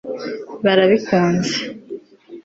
barabikunze